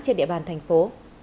trên địa bàn thành phố